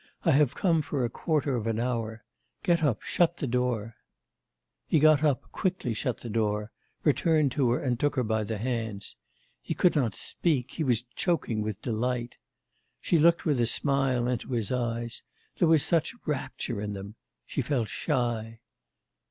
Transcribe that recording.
I have come for a quarter of an hour. Get up, shut the door.' He got up, quickly shut the door, returned to her and took her by the hands. He could not speak; he was choking with delight. She looked with a smile into his eyes... there was such rapture in them... she felt shy.